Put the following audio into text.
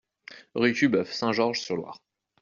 Rue Tuboeuf, Saint-Georges-sur-Loire